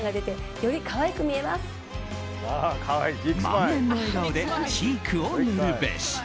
満面の笑顔でチークを塗るべし！